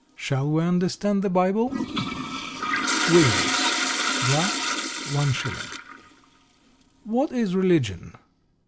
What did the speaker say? Shall We Understand the Bible? Williams. Black, 1s. _What is Religion?